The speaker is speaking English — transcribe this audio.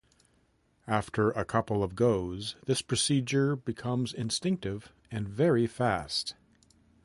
After a couple of goes, this procedure becomes instinctive and very fast.